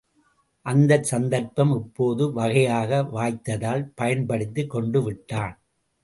அந்தச் சந்தர்ப்பம் இப்போது வகையாக வாய்த்ததால் பயன்படுத்திக் கொண்டுவிட்டான்.